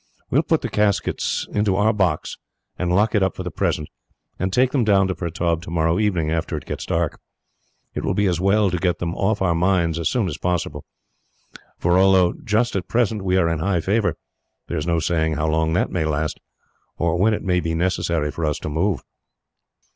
"We will put the caskets into our box, and lock it up for the present, and take them down to Pertaub tomorrow evening, after it gets dark. It will be as well to get them off our minds, as soon as possible, for although just at present we are in high favour, there is no saying how long it may last, or when it may be necessary for us to move."